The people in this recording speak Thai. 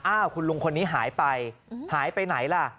คุณลุงคนนี้หายไปหายไปไหนล่ะ